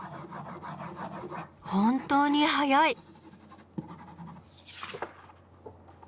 本当に速い！